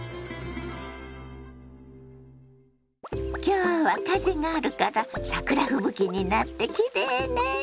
今日は風があるから桜吹雪になってキレイね。